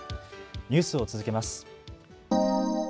ニュースを続けます。